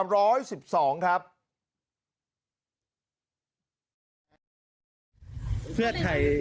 เวื้อไทย